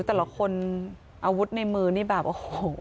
แต่ละคนอาวุธในมือนี่แบบโอ้โห